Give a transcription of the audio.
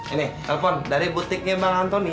ini telpon dari butiknya bang antoni